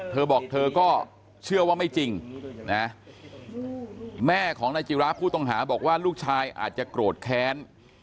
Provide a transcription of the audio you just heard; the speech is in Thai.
เธอบอกเธอก็เชื่อว่าไม่จริงนะแม่ของนายจิระผู้ต้องหาบอกว่าลูกชายอาจจะโกรธแค้น